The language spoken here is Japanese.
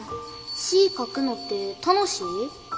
詩ぃ書くのて楽しい？